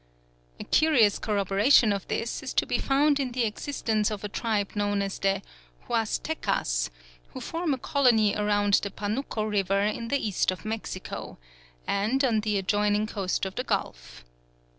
A curious corroboration of this is to be found in the existence of a tribe known as the Huastecas, who form a colony around the Panuco River in the east of Mexico, and on the adjoining coast of the Gulf.